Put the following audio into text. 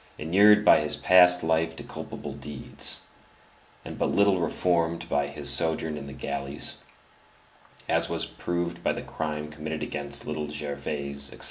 inured by his past life to culpable deeds, and but little reformed by his sojourn in the galleys, as was proved by the crime committed against Little Gervais, etc.